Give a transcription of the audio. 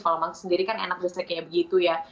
kalau sendiri kan enak besok kayak begitu ya